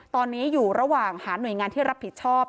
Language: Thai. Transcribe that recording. ตอนนี้อยู่ระหว่างหาหน่วยงานที่รับผิดชอบ